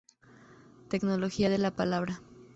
Tecnología de la palabra.